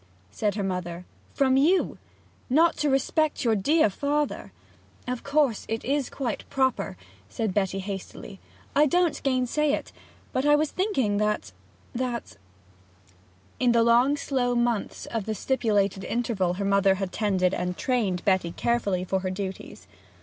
said her mother. 'From you? not to respect your dear father ' 'Of course it is quite proper,' said Betty hastily. 'I don't gainsay it. I was but thinking that that ' In the long slow months of the stipulated interval her mother tended and trained Betty carefully for her duties.